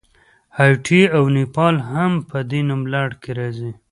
هایټي او نیپال هم په دې نوملړ کې راځي.